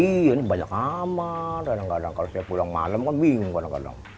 iya ini banyak kamar kadang kadang kalau saya pulang malam kan bingung kadang kadang